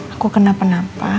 aku kena penampak